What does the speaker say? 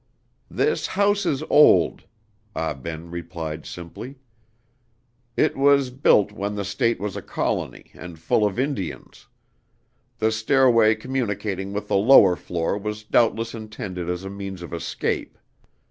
"This house is old," Ah Ben replied simply. "It was built when the State was a colony and full of Indians. The stairway communicating with the lower floor was doubtless intended as a means of escape.